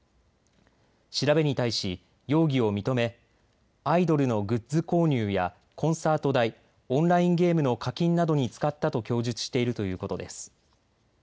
調べに対し容疑を認めアイドルのグッズ購入やコンサート代、オンラインゲームの課金などに使ったと供述しているということです。